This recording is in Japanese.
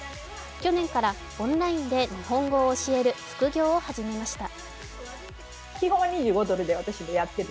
去年からオンラインで日本語を教える副業を始めました。